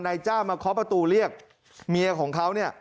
นายจ้างมาเคาะประตูเรียกเมียของเขาเนี่ย